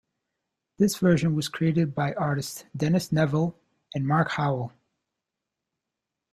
This version was created by artists Dennis Neville and Mark Howell.